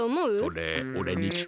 それおれにきく？